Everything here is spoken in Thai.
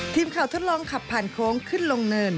ทีมข่าวทดลองขับผ่านโค้งขึ้นลงเนิน